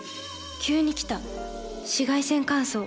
急に来た紫外線乾燥。